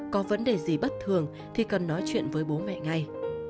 có vấn đề gì bất thường thì cần nói chuyện với bố mẹ ngay